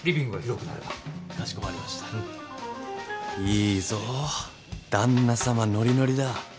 いいぞ旦那様ノリノリだ。